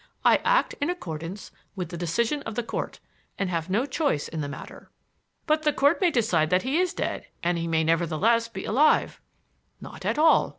I act in accordance with the decision of the Court and have no choice in the matter." "But the Court may decide that he is dead and he may nevertheless be alive." "Not at all.